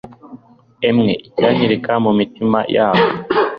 Emwe icyanyereka mu mitima yabo